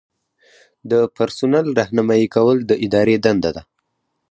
د پرسونل رہنمایي کول د ادارې دنده ده.